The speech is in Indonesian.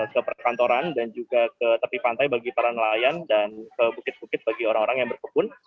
ke perkantoran dan juga ke tepi pantai bagi para nelayan dan ke bukit bukit bagi orang orang yang berkebun